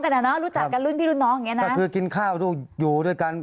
ก็กินข้าวดูอยู่ด้วยกัน